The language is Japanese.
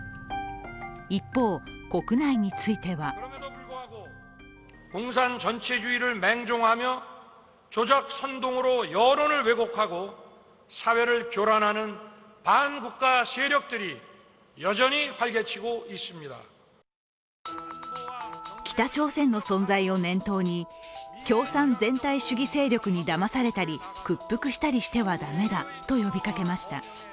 一方、国内については北朝鮮の存在を念頭に共産全体主義勢力にだまされたり屈服したりしては駄目だと呼びかけました。